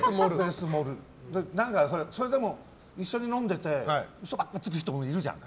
それでも一緒に飲んでて嘘ばっかりつく人、いるじゃん。